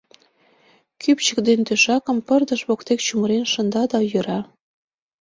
Кӱпчык ден тӧшакым пырдыж воктек чумырен шында да йӧра.